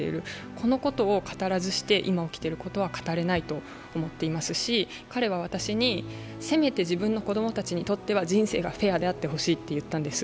このことを語らずして、今起きていることは語れないと思っていますし、彼は私に、せめて自分の子供たちにとっては人生がフェアであってほしいと言ったんです。